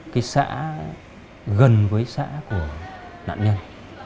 cái xã gần với xã của nạn nhân